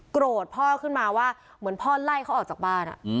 โกรธพ่อขึ้นมาว่าเหมือนพ่อไล่เขาออกจากบ้าน